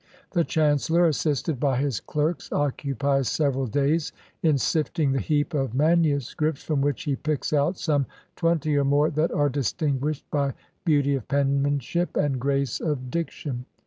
The chancellor, assisted by his clerks, occupies several days in sifting the heap of manuscripts, from which he picks out some twenty or more that are distinguished by beauty of penmanship and grace of diction.